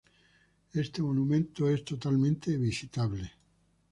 Este monumento es totalmente visitable.